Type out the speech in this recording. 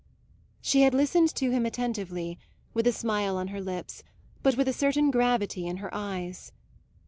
She had listened to him attentively, with a smile on her lips, but with a certain gravity in her eyes.